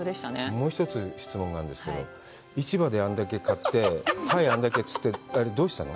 もう一つ、質問があるんですけど、市場であれだけ買って、鯛をあれだけ釣ってどうしたの？